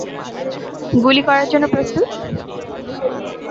গুলি করার জন্য প্রস্তুত!